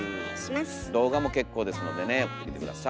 動画も結構ですのでね送ってきて下さい。